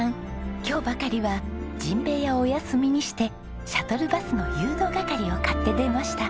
今日ばかりはじんべいやをお休みにしてシャトルバスの誘導係を買って出ました。